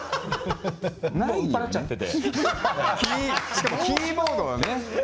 しかもキーボードはね。